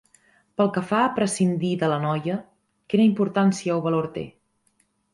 Pel que fa a prescindir de la noia, quina importància o valor té?